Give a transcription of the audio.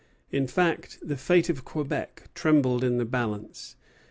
In fact, the fate of Quebec trembled in the balance.